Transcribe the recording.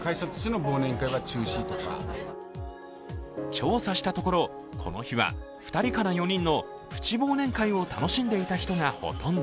調査したところ、この日は２人から４人のプチ忘年会を楽しんでいた人がほとんど。